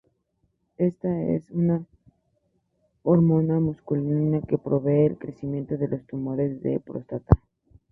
Esta, es una hormona masculina que promueve el crecimiento de los tumores de próstata.